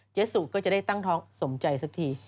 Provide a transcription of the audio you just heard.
สุก็จะได้ตั้งท้องสมใจสักที